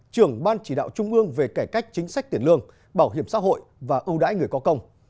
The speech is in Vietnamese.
trưởng ban chỉ đạo trung ương về cải cách chính sách tiền lương bảo hiểm xã hội và ưu đãi người có công